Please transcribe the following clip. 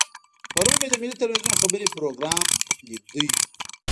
پرون مې د ملي ټلویزیون خبري پروګرام لیدلو.